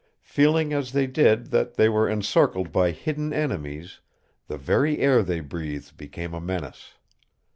Feeling, as they did, that they were encircled by hidden enemies, the very air they breathed became a menace.